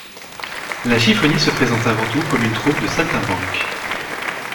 La Chifonnie se présente avant tout comme une troupe de saltimbanques.